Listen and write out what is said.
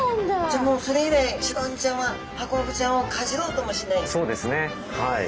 じゃあもうそれ以来シロワニちゃんはハコフグちゃんをかじろうともしない？